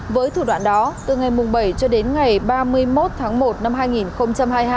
với thủ đoạn đó từ ngày bảy cho đến ngày ba mươi một tháng một năm hai nghìn hai mươi hai